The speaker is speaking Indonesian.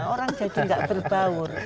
orang jadi gak berbaur